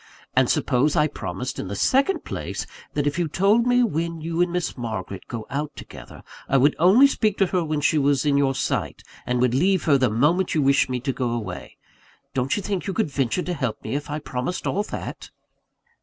And suppose I promised, in the second place, that, if you told me when you and Miss Margaret go out together, I would only speak to her while she was in your sight, and would leave her the moment you wished me to go away. Don't you think you could venture to help me, if I promised all that?"